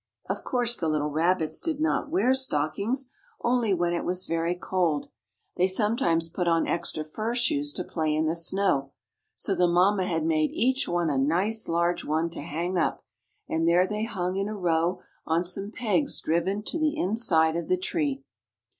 Of course, the little rabbits did not wear stockings, only when it was very cold, they sometimes put on extra fur shoes to play in the snow. So the mamma had made each one a nice, large one, to hang up, and there they hung in a row, on some pegs driven to the inside of the tree.